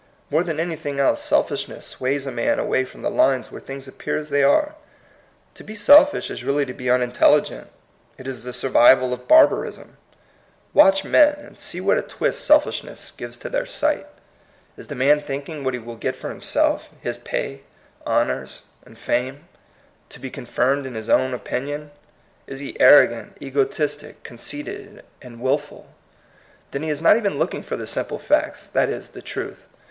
More than anything else selfishness sways a man away from the lines whei^e things appear as they are. To be selfish is really to be unintelligent; it is the survival of barbarism. Watch men, and see what a THE POINT OF VIEW. 75 twist selfishness gives to their sight. Is the man thinking what he will get for him self, — his pay, honors, and fame ; to be con firmed in his own opinion ? Is he arrogant, egotistic, conceited, and wilful? Then he is not even looking for the simple facts, that is, the truth.